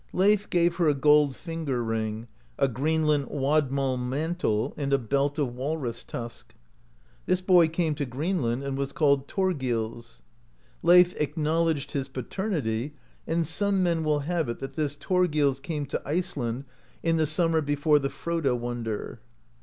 Leif gave her a gold finger ring, a Greenland wadmal mantle, and a belt of walrus tusk. This boy came to Greenland, and was called Thorgils. Leif acknowledged his paternity, and some men will have it that this Thorgils came to Iceland in the simimer before the Froda wonder (35).